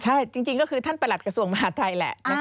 ใช่จริงก็คือท่านประหลัดกระทรวงมหาทัยแหละ